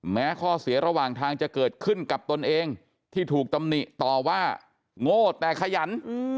แม้ข้อเสียระหว่างทางจะเกิดขึ้นกับตนเองที่ถูกตำหนิต่อว่าโง่แต่ขยัน